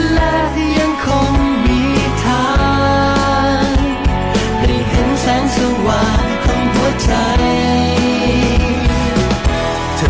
และที่ยังคงมีทางให้เห็นแสงสว่างของหัวใจ